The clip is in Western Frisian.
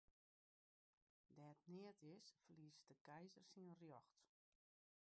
Dêr't neat is, ferliest de keizer syn rjocht.